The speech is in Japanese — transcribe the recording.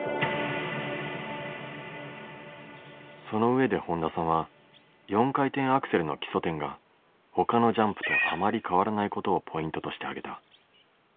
その上で本田さんは４回転アクセルの基礎点がほかのジャンプとあまり変わらないことをポイントとしてあげた。